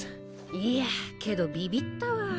いやけどビビったわ。